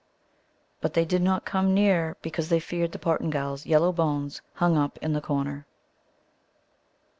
But they did not come near, because they feared the Portingal's yellow bones hung up in the corner.